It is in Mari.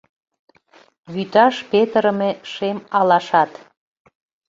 Вӱташ петырыме шем алашат -